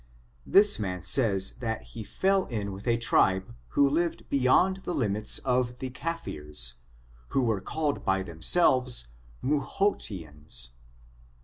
This man says that he fell in with a tribe, who lived beyond the limits of the Caffrees, who were called by themselves, Muhotians.